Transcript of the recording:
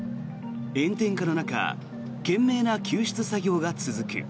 炎天下の中懸命な救出作業が続く。